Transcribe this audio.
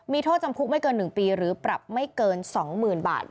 มีโทษจำคุกไม่เกิน๑ปีหรือปรับไม่เกิน๒๐๐๐บาท